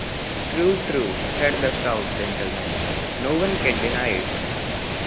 ‘True, true,’ said the stout gentleman; ‘no one can deny it'.